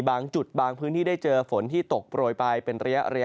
บางจุดบางพื้นที่ได้เจอฝนที่ตกโปรยไปเป็นระยะ